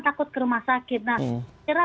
takut ke rumah sakit nah saya kira